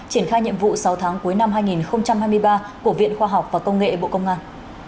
triển khai nhiệm vụ sáu tháng cuối năm hai nghìn hai mươi ba của viện khoa học và công nghệ bộ công an